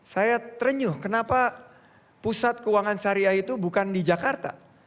saya terenyuh kenapa pusat keuangan syariah itu bukan di jakarta